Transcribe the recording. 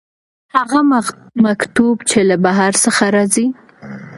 هغه مکتوب چې له بهر څخه راځي.